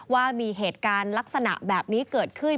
ว่ามีเหตุการณ์ลักษณะแบบนี้เกิดขึ้น